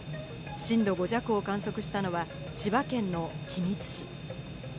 震度５弱を観測したのは千葉県の君津市。